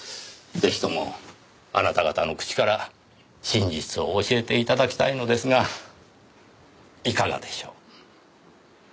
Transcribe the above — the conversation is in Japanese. ぜひともあなた方の口から真実を教えて頂きたいのですがいかがでしょう？